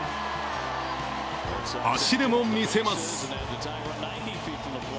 足でも見せます。